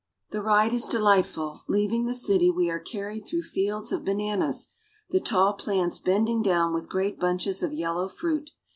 The ride is delightful. Leaving the city, we are carried through fields of bananas, the tall plants bending down with great bunches of yellow fruit.